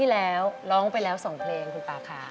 แล้วร้องไปแล้ว๒เพลงคุณป่าค่ะ